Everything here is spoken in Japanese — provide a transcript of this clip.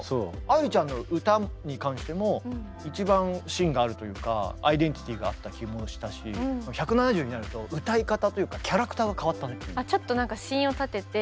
愛理ちゃんの歌に関しても一番芯があるというかアイデンティティーがあった気もしたし１７０になると歌い方というかキャラクターが変わったね。